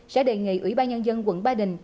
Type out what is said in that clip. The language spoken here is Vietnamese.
sẽ đề nghị ủy ban nhân dân quận ba đình